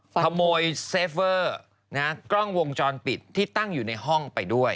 ขโมยเซฟเวอร์นะฮะกล้องวงจรปิดที่ตั้งอยู่ในห้องไปด้วย